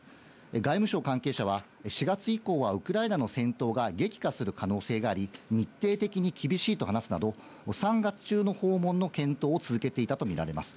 外務省関係者は４月以降はウクライナの戦闘が激化する可能性があり、日程的に厳しいと話すなど、３月中の訪問の検討を続けていたとみられます。